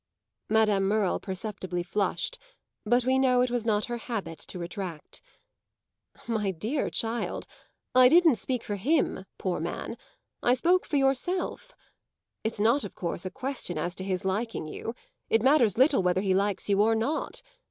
Madame Merle perceptibly flushed, but we know it was not her habit to retract. "My dear child, I didn't speak for him, poor man; I spoke for yourself. It's not of course a question as to his liking you; it matters little whether he likes you or not!